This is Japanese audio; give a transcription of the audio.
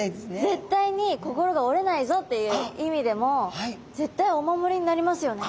絶対に心が折れないぞっていう意味でも絶対お守りになりますよね。